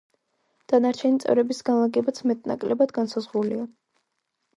დანარჩენი წევრების განლაგებაც მეტ-ნაკლებად განსაზღვრულია.